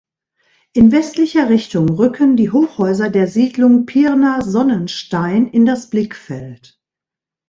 In westlicher Richtung rücken die Hochhäuser der Siedlung Pirna-Sonnenstein in das Blickfeld.